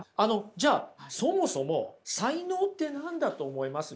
じゃあそもそも才能って何だと思います？